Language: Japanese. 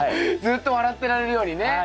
ずっと笑ってられるようにね。